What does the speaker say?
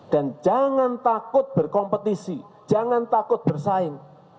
dan jangan takut berkompetisi jangan takut bersaing